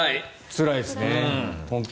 つらいですね。